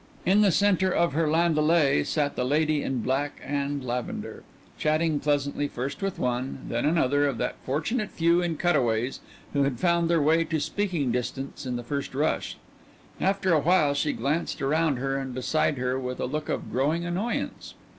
In the centre of her landaulet sat the lady in black and lavender, chatting pleasantly first with one, then with another of that fortunate few in cutaways who had found their way to speaking distance in the first rush. After a while she glanced around her and beside her with a look of growing annoyance.